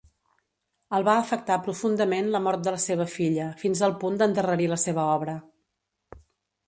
El va afectar profundament la mort de la seva filla fins al punt d'endarrerir la seva obra.